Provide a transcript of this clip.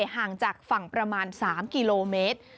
ห่างจากฝั่งประมาณ๓กิโลเมตร